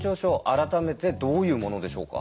改めてどういうものでしょうか？